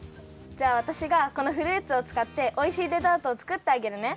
じゃあわたしがこのフルーツをつかっておいしいデザートをつくってあげるね！